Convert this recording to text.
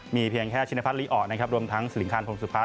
มีเพียงแค่ชินภัษณ์ลิออกนะครับรวมทั้งศิลิงคาณพลงสุภา